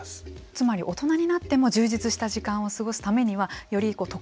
つまり大人になっても充実した時間を過ごすためにはより特別な時間とか。